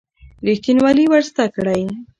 ریښتینولي ور زده کړئ.